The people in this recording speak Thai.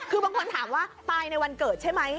คือบางคนถามว่าตายในวันเกิดใช่ไหม